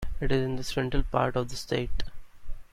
It is in the central part of the state.